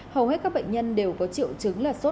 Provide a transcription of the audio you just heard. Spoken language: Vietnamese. hầu hết các bệnh nhân đều có triệu chứng là sốt